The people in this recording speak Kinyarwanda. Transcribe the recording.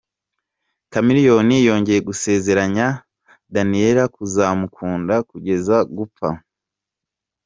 Chameleoen yongeye gusezeranya Daniella kuzamukunda kugeza gupfa.